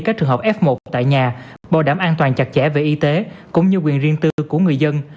các trường hợp f một tại nhà bảo đảm an toàn chặt chẽ về y tế cũng như quyền riêng tư của người dân